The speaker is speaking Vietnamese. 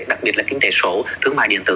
đặc biệt là kinh tế số thương mại điện tử